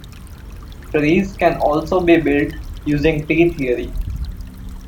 Trees can also be built using T-theory.